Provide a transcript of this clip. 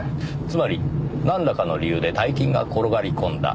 つまりなんらかの理由で大金が転がり込んだ。